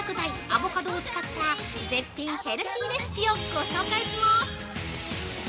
「アボカド」を使った絶品ヘルシーレシピをご紹介します！